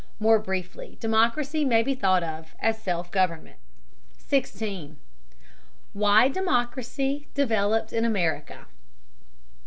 More briefly, democracy may be thought of as self government. 16. WHY DEMOCRACY DEVELOPED IN AMERICA.